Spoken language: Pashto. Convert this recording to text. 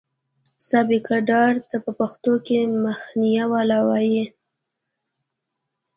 سابقه دار ته په پښتو کې مخینه والا وایي.